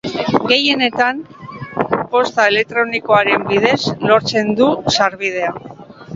Gehienetan posta elektronikoaren bidez lortzen dute sarbidea.